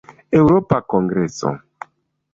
Eŭropa kongreso.